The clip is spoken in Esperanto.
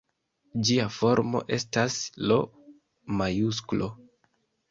Ĝia formo estas L-majusklo.